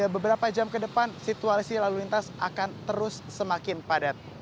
beberapa jam ke depan situasi lalu lintas akan terus semakin padat